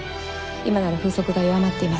今なら風速が弱まっています。